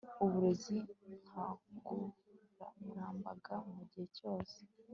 uburezi nkangurambaga mu gihe cyose